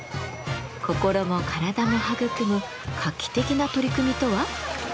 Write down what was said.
心も体も育む画期的な取り組みとは？